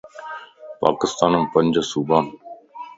پاڪستان ءَ مَ پنج صوبا ائين